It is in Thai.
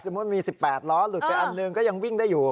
มี๑๘ล้อหลุดไปอันหนึ่งก็ยังวิ่งได้อยู่